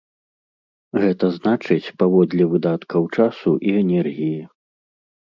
Гэта значыць, паводле выдаткаў часу і энергіі.